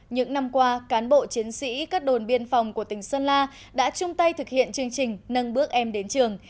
những năm qua cán bộ chiến sĩ các đồn biên phòng của tỉnh sơn la đã chung tay thực hiện chương trình nâng bước em đến trường